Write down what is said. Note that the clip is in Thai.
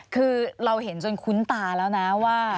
คือเราเห็นจนคุ้นตาแล้วนะว่า